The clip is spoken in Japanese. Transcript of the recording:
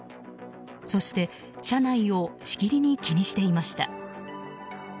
そして、車内をしきりに気にしていました。